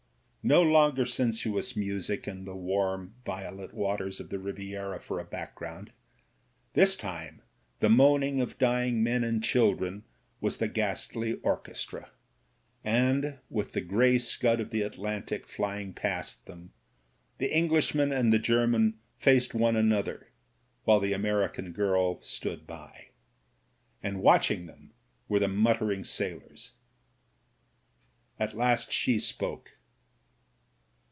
No longer sensuous music and the warm, violet waters of the Riviera for a background ; this time the moaning of dying men and children was the ghastly orchestra, and, with the grey scud of the Atlantic flying past them, the Englishman and the German faced one an other, while the American girl stood by. And watch ing them were the muttering sailors. At last she spoke.